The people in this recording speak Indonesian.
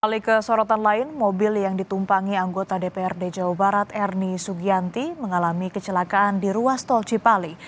balik ke sorotan lain mobil yang ditumpangi anggota dprd jawa barat ernie sugianti mengalami kecelakaan di ruas tol cipali